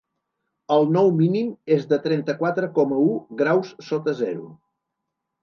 El nou mínim és de trenta-quatre coma u graus sota zero.